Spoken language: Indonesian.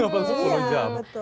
kalau sepuluh jam